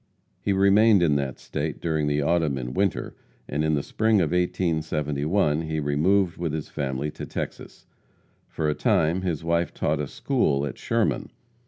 He remained in that state during the autumn and winter, and in the spring of 1871 he removed with his family to Texas. For a time, his wife taught a school at Sherman.